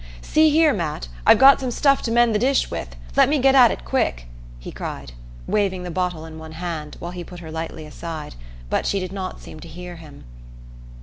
"See, here, Matt, I've got some stuff to mend the dish with! Let me get at it quick," he cried, waving the bottle in one hand while he put her lightly aside; but she did not seem to hear him.